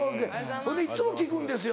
ほんでいつも聞くんですよ